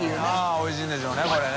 △おいしいんでしょうねこれね。